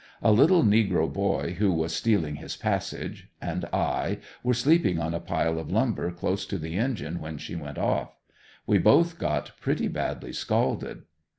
A little negro boy who was stealing his passage and I were sleeping on a pile of lumber close to the engine when she went off. We both got pretty badly scalded.